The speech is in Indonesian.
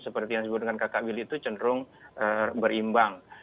seperti yang disebut dengan kakak willy itu cenderung berimbang